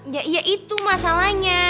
ya iya itu masalahnya